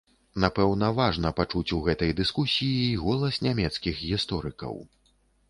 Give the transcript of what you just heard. Напэўна, важна пачуць у гэтай дыскусіі і голас нямецкіх гісторыкаў.